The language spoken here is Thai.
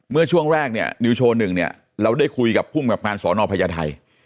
เมื่อช่วงแรกเนี่ยนิวโชว์หนึ่งเนี่ยเราได้คุยกับภูมิกับการสอนอพญาไทย